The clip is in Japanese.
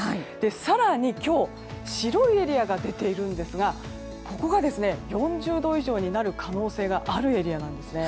更に今日、白いエリアが出ているんですがここが４０度以上になる可能性があるエリアなんです。